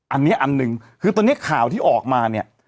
อันนี้อันหนึ่งคือตอนนี้ข่าวที่ออกมาเนี่ย